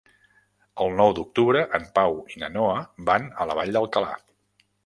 El nou d'octubre en Pau i na Noa van a la Vall d'Alcalà.